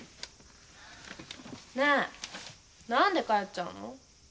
ねえ何で帰っちゃうの？